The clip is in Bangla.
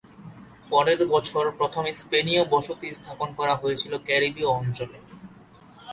পরের বছর, প্রথম স্পেনীয় বসতি স্থাপন করা হয়েছিল ক্যারিবীয় অঞ্চলে।